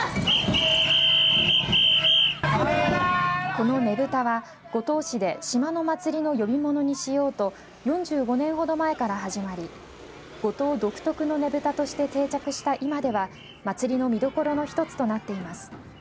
このねぶたは五島市で島の祭りの呼び物にしようと４５年ほど前から始まり五島独特のねぶたとして定着した今では祭りの見どころの一つとなっています。